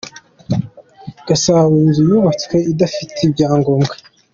Gasabo Inzu yubatswe idafite ibyangobwa